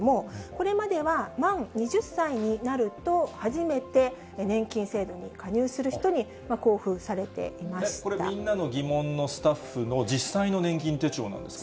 これまでは満２０歳になると、初めて年金制度に加入する人に交これ、みんなのギモンのスタッフの実際の年金手帳なんですか？